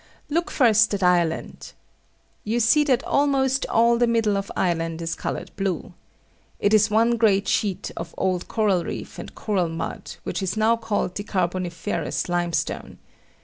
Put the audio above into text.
Look first at Ireland. You see that almost all the middle of Ireland is coloured blue. It is one great sheet of old coral reef and coral mud, which is now called the carboniferous limestone.